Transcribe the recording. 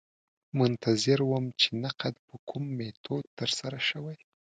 منتظر وم چې نقد په کوم میتود ترسره شوی.